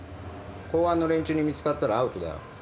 公安の連中に見つかったらアウトだよ。